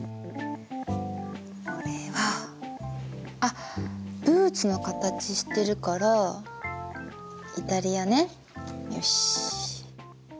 これはあっブーツの形してるからイタリアねよし。